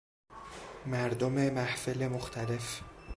مردم محفل مختلف